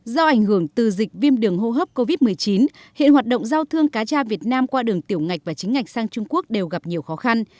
do ảnh hưởng từ dịch viêm đường hô hấp covid một mươi chín hiện hoạt động giao thương cá tra việt nam qua đường tiểu ngạch và chính ngạch sang trung quốc đều gặp nhiều khó khăn